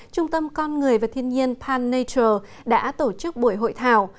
trung tâm con người và thiên nhiên pan nature đã tổ chức buổi hội thảo